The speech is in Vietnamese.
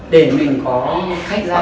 để mình có khách ra vào